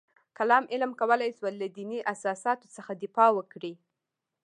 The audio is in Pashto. کلام علم کولای شول له دیني اساساتو څخه دفاع وکړي.